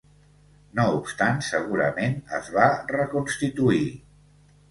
No obstant segurament es va reconstituir.